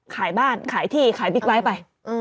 ขายบ้านขายที่ขายบิ๊กไบท์ไป